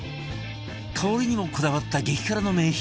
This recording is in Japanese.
香りにもこだわった激辛の名品